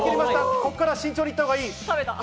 ここからは慎重に行ったほうがいい。